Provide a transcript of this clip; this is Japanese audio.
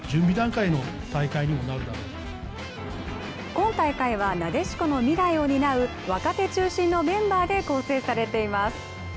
今大会はなでしこの未来を担う若手中心にメンバーで構成されています。